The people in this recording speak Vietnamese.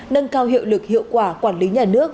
nâng cao hiệu lực hiệu quả quản lý nhà nước